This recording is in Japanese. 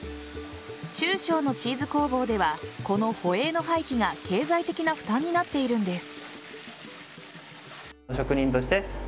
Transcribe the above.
中小のチーズ工房ではこのホエーの廃棄が経済的な負担になっているんです。